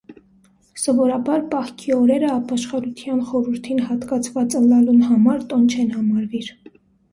Սովորաբար պահքի օրերը ապաշխարութեան խորհուրդին յատկացուած ըլլալուն համար տօն չեն համարուիր։